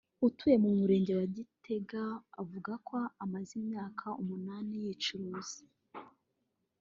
utuye mu Murenge wa Gitega uvuga ko amaze imyaka umunani yicuruza